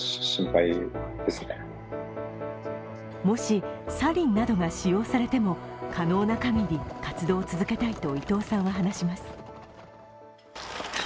もし、サリンなどが使用されても可能なかぎり活動を続けたいと伊藤さんは話します。